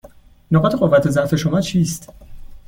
نقاط قوت و ضعف شما چیست؟